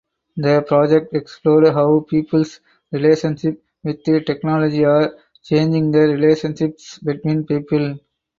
The project explored how people’s relationships with technology are changing the relationships between people.